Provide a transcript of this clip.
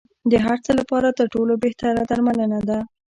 د هر څه لپاره تر ټولو بهتره درملنه ده.